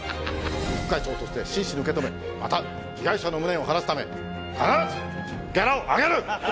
副会長として真摯に受け止めまた被害者の無念を晴らすため必ずギャラを上げる！